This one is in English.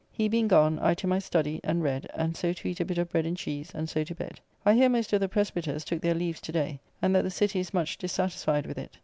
He being gone I to my study and read, and so to eat a bit of bread and cheese and so to bed. I hear most of the Presbyters took their leaves to day, and that the City is much dissatisfied with it.